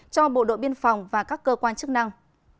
cho bộ đội biên phòng và các cơ quan chức năng